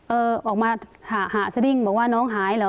ออกมาหาสดิ้งบอกว่าน้องหายเหรอ